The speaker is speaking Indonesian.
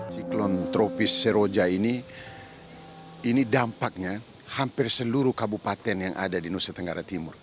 siklon tropis seroja ini ini dampaknya hampir seluruh kabupaten yang ada di nusa tenggara timur